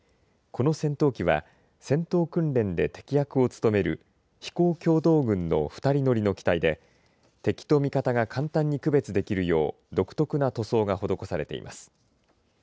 この戦闘機は戦闘訓練で敵役を務める飛行教導群の２人乗りの機体で敵と味方が簡単に区別できるよう独特な塗装が施されています。